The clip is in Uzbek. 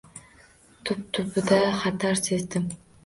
Tub- tubida xatar sezdim.